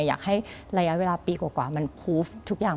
อยากให้ระยะเวลาปีกว่ามันพูฟทุกอย่าง